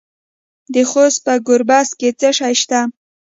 د خوست په ګربز کې څه شی شته؟